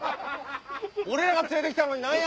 俺らが連れて来たのに何や⁉